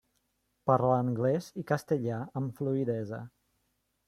Parla anglès i castellà amb fluïdesa.